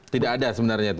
tidak ada sebenarnya itu